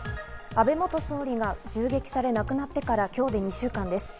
安倍元総理が銃撃され亡くなってから今日で２週間です。